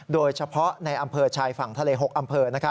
โดยเฉพาะในอำเภอชายฝั่งทะเล๖อำเภอ